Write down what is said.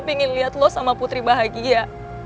gue pengen liat lo sama putri bahagia